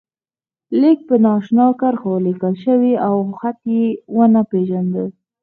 لیک په نا آشنا کرښو لیکل شوی و او خط یې و نه پېژانده.